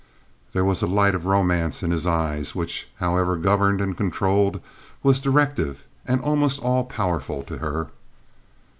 There was a light of romance in his eyes, which, however governed and controlled—was directive and almost all powerful to her.